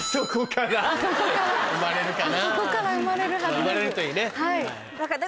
あそこから生まれるはずです。